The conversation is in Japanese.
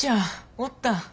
おったん？